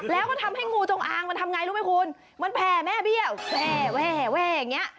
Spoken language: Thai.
แล้วก็ทำให้งูจงอางมันทำไงรู้ไหมคุณมันแผ่แม่เบี้ยวแม่แว่อย่างเงี้